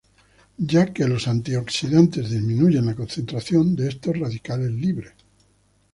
Ya que los antioxidantes disminuyen la concentración de estos radicales libres.